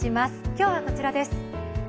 今日はこちらです。